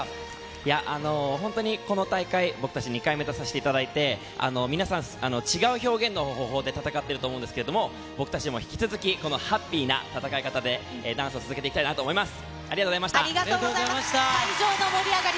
本当にこの大会、僕たち２回目出させていただいて、皆さん、違う表現の方法で戦っていると思うんですけれども、僕たちも引き続き、このハッピーな戦い方で、ダンスを続けていきたいなと思います。